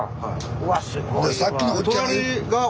うわすごいわ。